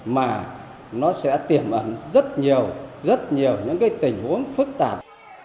mà nó sẽ tiềm ẩn rất nhiều rất nhiều những tình huống phức tạp